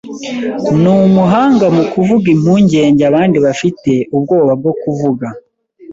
Ni umuhanga mu kuvuga impungenge abandi bafite ubwoba bwo kuvuga.